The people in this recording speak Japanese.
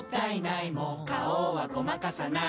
「花王はごまかさない」